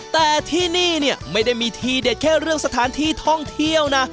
แต่ที่นี่เนี่ยไม่ได้มีทีเด็ดแค่เรื่องสถานที่ท่องเที่ยวนะ